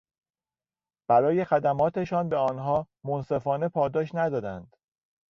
برای خدماتشان به آنها منصفانه پاداش ندادند.